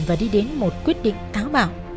và đi đến một quyết định tháo bảo